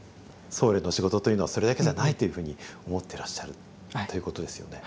僧侶の仕事というのはそれだけじゃないというふうに思ってらっしゃるということですよね。